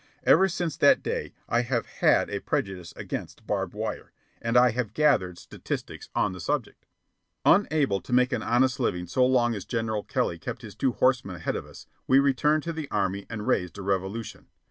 Ever since that day I have had a prejudice against barbed wire, and I have gathered statistics on the subject. Unable to make an honest living so long as General Kelly kept his two horsemen ahead of us, we returned to the Army and raised a revolution.